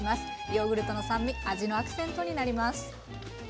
ヨーグルトの酸味味のアクセントになります。